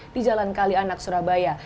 di jalan kali anak surabaya